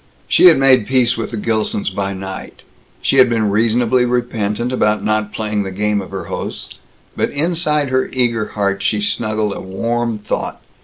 She had made peace with the Gilsons by night; she had been reasonably repentant about not playing the game of her hosts; but inside her eager heart she snuggled a warm thought.